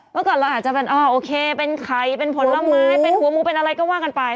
เมื่อก่อนเราอาจจะเป็นอ๋อโอเคเป็นไข่เป็นผลไม้เป็นหัวหมูเป็นอะไรก็ว่ากันไป